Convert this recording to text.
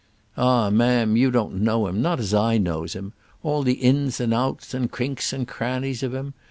"Ah, ma'am, you don't know him, not as I knows him; all the ins and outs and crinks and crannies of him.